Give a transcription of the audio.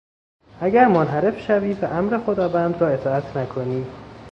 اگر منحرف شوی و امر خداوند را اطاعت نکنی...